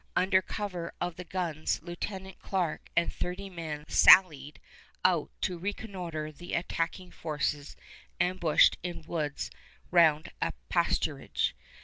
Under cover of the guns Lieutenant Clark and thirty men sallied out to reconnoiter the attacking forces ambushed in woods round a pasturage.